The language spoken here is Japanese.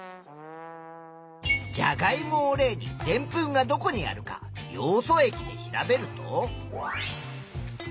じゃがいもを例にでんぷんがどこにあるかヨウ素液で調べると。